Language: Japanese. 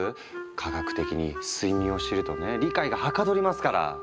科学的に睡眠を知るとね理解がはかどりますから！